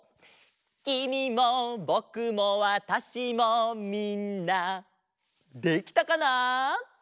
「きみもぼくもわたしもみんな」できたかな？